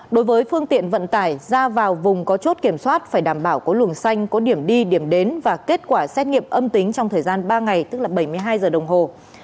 đối với phương tiện vận tải ra vào vùng có chốt kiểm soát phải đảm bảo có luồng xanh có điểm đi điểm đến và kết quả xét nghiệm âm tính trong thời gian ba ngày tức là bảy mươi hai giờ đồng hồ